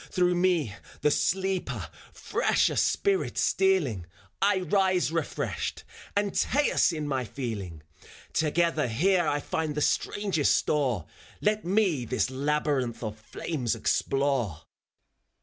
Through me, the sleeper, fresher spirit stealing, I rise refreshed, Antaeus in my feeling. Together here I find the strangest store; Let me this labyrinth of flames explore.